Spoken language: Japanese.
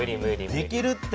できるって！